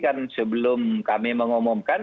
kan sebelum kami mengumumkan